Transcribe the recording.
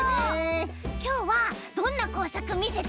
きょうはどんなこうさくみせてくれるの？